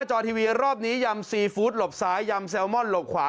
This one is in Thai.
จอทีวีรอบนี้ยำซีฟู้ดหลบซ้ายยำแซลมอนหลบขวา